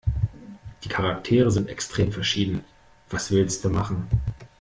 Die Charaktere sind extrem verschieden. Was willste machen?